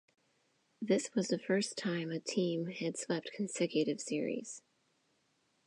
This was the first time a team had swept consecutive Series.